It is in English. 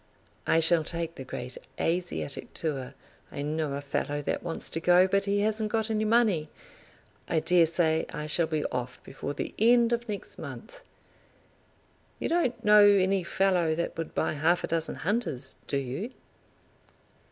I shall take the great Asiatic tour. I know a fellow that wants to go, but he hasn't got any money. I dare say I shall be off before the end of next month. You don't know any fellow that would buy half a dozen hunters; do you?"